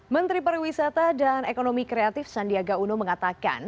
menteri pariwisata dan ekonomi kreatif sandiaga uno mengatakan